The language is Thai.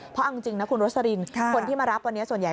เพราะเอาจริงนะคุณโรสลินคนที่มารับวันนี้ส่วนใหญ่